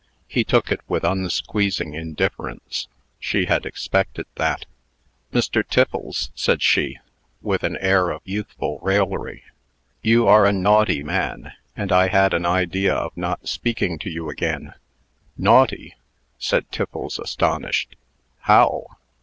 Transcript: He took it with unsqueezing indifference. She had expected that. "Mr. Tiffles," said she, with an air of youthful raillery, "you are a naughty man, and I had an idea of not speaking to you again." "Naughty!" said Tiffles, astonished. "How?"